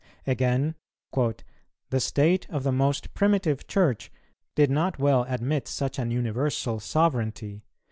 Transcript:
Again: "The state of the most primitive Church did not well admit such an universal sovereignty.